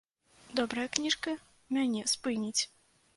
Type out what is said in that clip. Добрая кніжка мяне спыніць.